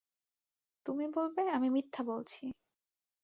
তুমি বলবে, আমি মিথ্যা বলছি।